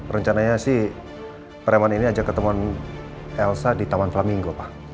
rencananya sih preman ini ajak ketemuan elsa di taman falamingo pak